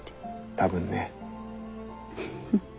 多分ね。